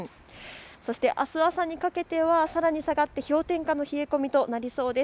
そしてあす朝にかけてはさらに下がって氷点下の冷え込みとなりそうです。